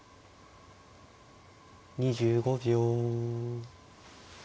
２５秒。